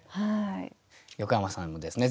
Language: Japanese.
横山さんもですね